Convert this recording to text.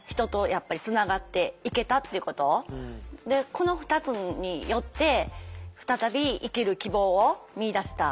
この２つによって再び生きる希望を見いだせた。